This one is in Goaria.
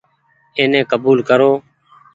اي ني ڪبول ڪرو ۔